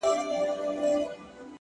كړۍ !!كـړۍ لكه ځنځير ويـده دی!!